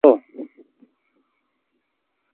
ۮي حآل حوال تم ڪيکريآن ڇوٚنٚ